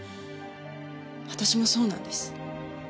私もそうなんです。